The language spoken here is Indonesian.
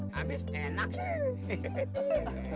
habis enak sih